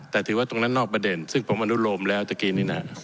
แต่ถือว่าตรงนั้นนอกประเด็นซึ่งผมอนุโลมแล้วเมื่อกี้นี่นะ